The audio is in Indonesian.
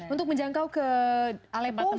untuk menjangkau ke alemata atemap itu